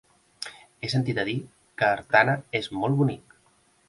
He sentit a dir que Artana és molt bonic.